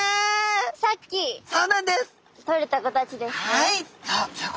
はい。